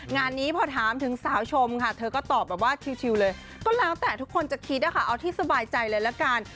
งานนี้พอถามถึงสาวชมค่ะเธอก็ตอบแบบว่าชิวเลยก็แล้วแต่ทุกคนจะคิดนะคะเอาที่สบายใจเลยละกัน